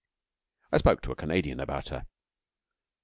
I spoke to a Canadian about her.